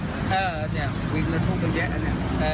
เอ่อก็แบบวิ่งมาถูกกันเยอะนะ